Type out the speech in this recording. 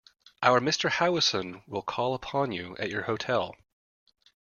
Our Mr Howison will call upon you at your hotel.